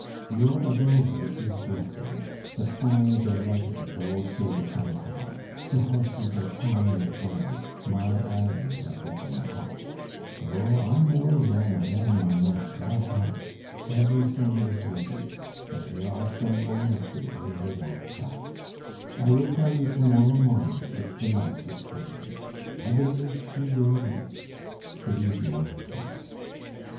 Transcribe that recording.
"Your avenger is dressing; the fires are lighted at the Rocher de Cancale; the horses are pawing the ground; my irons are getting hot. Oh, I know your Madame Marneffe by heart! Everything is ready. And there are some boluses in the rat trap; I will tell you to morrow morning if the mouse is poisoned. I believe she will be; good evening, my son."